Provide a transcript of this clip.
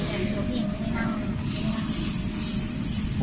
ไม่ต่อไป